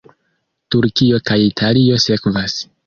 Turkio kaj Italio sekvas.